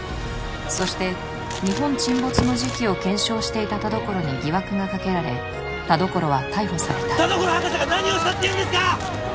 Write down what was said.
そして日本沈没の時期を検証していた田所に疑惑がかけられ田所は逮捕された田所博士が何をしたっていうんですか！